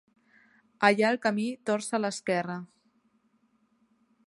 Allà el camí torç a l'esquerra.